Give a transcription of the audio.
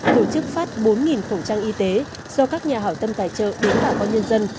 tổ chức phát bốn khẩu trang y tế do các nhà hảo tâm tài trợ đến bà con nhân dân